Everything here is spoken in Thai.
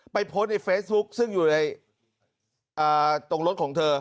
โพสต์ในเฟซบุ๊คซึ่งอยู่ในตรงรถของเธอ